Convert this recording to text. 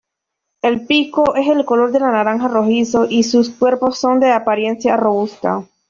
El pico es de color naranja rojizo y sus cuerpos son de apariencia robusta.